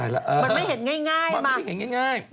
มันไม่เห็นง่ายมันไม่เห็นง่าย